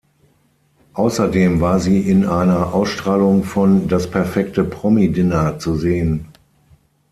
Außerdem war sie in einer Ausstrahlung von "Das perfekte Promi-Dinner" zu sehen.